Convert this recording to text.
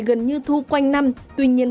gần như thu quanh năm tuy nhiên